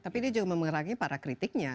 tapi dia juga memerangi para kritiknya